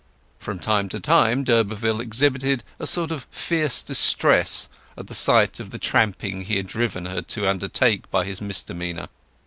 From time to time d'Urberville exhibited a sort of fierce distress at the sight of the tramping he had driven her to undertake by his misdemeanour.